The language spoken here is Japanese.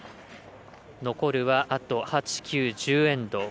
残るはあと８、９、１０エンド。